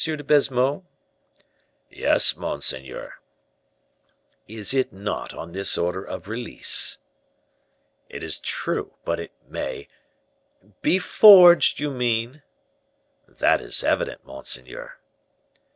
de Baisemeaux?" "Yes, monseigneur." "Is it not on this order of release?" "It is true, but it may " "Be forged, you mean?" "That is evident, monseigneur."